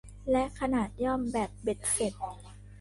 และขนาดย่อมแบบเบ็ดเสร็จ